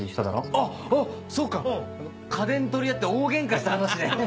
あっそうか家電取り合って大ゲンカした話ね。